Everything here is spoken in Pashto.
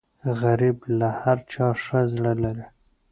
غریب له هر چا ښه زړه لري